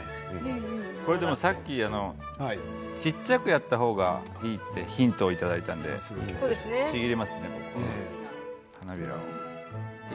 さっき小さくやった方がいいってヒントをいただいたのでちぎりますね、ここは花びらを。